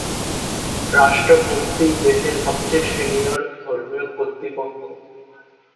রাষ্ট্র মুফতি দেশের সবচেয়ে সিনিয়র ধর্মীয় কর্তৃপক্ষ।